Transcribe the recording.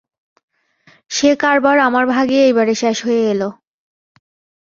সে কারবার আমার ভাগ্যে এইবারে শেষ হয়ে এল।